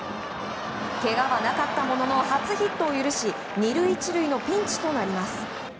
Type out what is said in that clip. けがはなかったものの初ヒットを許し２塁１塁のピンチとなります。